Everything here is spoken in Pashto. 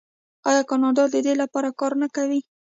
آیا کاناډا د دې لپاره کار نه کوي؟